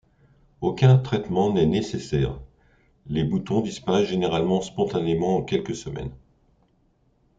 Aucun traitement n'est nécessaire, les boutons disparaissent généralement spontanément en quelques semaines.